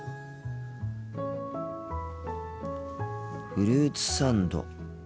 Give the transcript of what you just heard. フルーツサンド。